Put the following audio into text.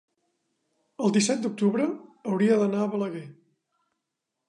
el disset d'octubre hauria d'anar a Balaguer.